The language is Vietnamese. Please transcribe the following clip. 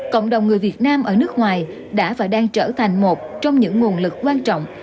cộng đồng người việt nam ở nước ngoài đã và đang trở thành một trong những nguồn lực quan trọng